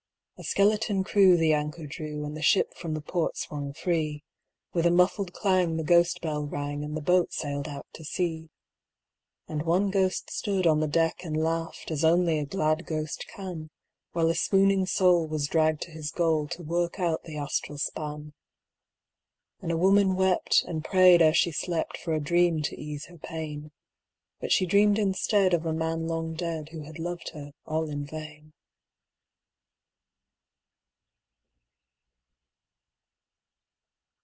A skeleton crew the anchor drew, And the ship from the port swung free; With a muffled clang the ghost bell rang, And the boat sailed out to sea. And one ghost stood on the deck and laughed, As only a glad ghost can; While a swooning soul was dragged to his goal, To work out the astral span. And a woman wept, and prayed ere she slept, For a dream to ease her pain; But she dreamed instead of a man long dead, Who had loved her all in vain.